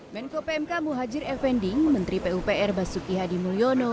menko pmk muhajir effendi menteri pupr basuki hadi mulyono